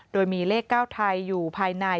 โดยมีเลข๙ไทยอยู่ภายใน